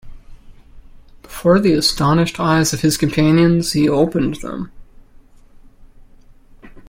Before the astonished eyes of his companions he opened them.